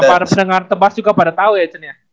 pengen ngapain dengar tebas juga pada tau ya cen ya